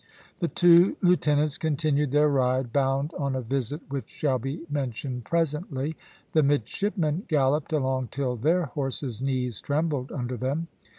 The two lieutenants continued their ride, bound on a visit which shall be mentioned presently. The midshipmen galloped along till their horses' knees trembled under them.